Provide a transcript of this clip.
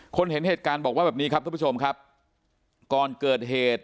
เห็นเหตุการณ์บอกว่าแบบนี้ครับทุกผู้ชมครับก่อนเกิดเหตุ